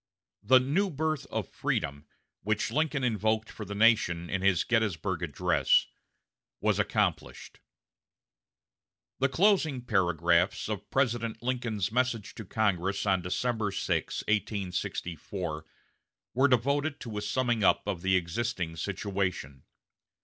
The "new birth of freedom" which Lincoln invoked for the nation in his Gettysburg address, was accomplished. The closing paragraphs of President Lincoln's message to Congress of December 6, 1864, were devoted to a summing up of the existing situation.